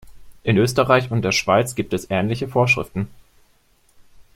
In Österreich und der Schweiz gibt es ähnliche Vorschriften.